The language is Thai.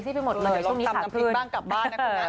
เดี๋ยวเราทำน้ำพริกบ้างกลับบ้านนะครับ